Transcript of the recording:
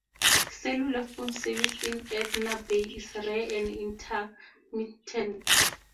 Cellular phone service in Edna Bay is rare and intermittent.